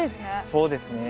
そうですね。